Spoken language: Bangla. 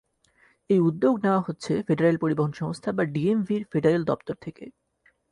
এই উদ্যোগ নেওয়া হচ্ছে ফেডারেল পরিবহন সংস্থা বা ডিএমভির ফেডারেল দপ্তর থেকে।